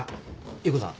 優子さん